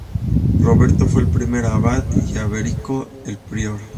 Roberto fue el primer abad, y Alberico el prior.